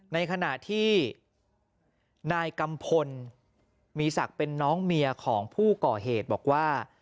ในขณะที่นายกัมพลมีศักดิ์เป็นน้องเมียของผู้ก่อเหตุบอกว่า